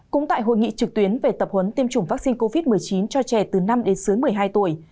cũng tại hội nghị trực tuyến về tập huấn tiêm chủng vaccine covid một mươi chín cho trẻ từ năm đến dưới một mươi hai tuổi